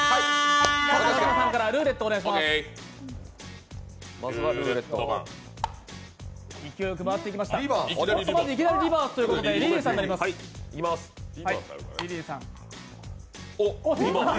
川島さんからルーレットをお願いします。